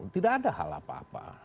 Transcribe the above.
tidak ada hal apa apa